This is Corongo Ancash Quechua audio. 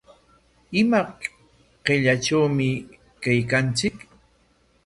¿Ima killatrawmi kaykanchik?